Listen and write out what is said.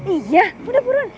iya udah turun